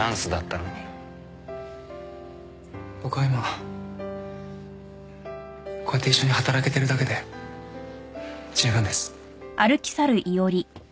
僕は今こうやって一緒に働けてるだけで十分です。